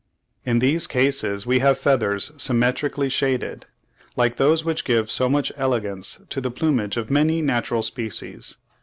In these cases we have feathers symmetrically shaded, like those which give so much elegance to the plumage of many natural species.